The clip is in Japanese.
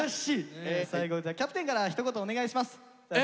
最後じゃあキャプテンからひと言お願いします。